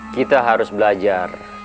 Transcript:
kita harus belajar